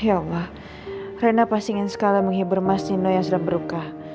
ya allah rena pasti ingin sekali menghibur mas dino yang sudah berkah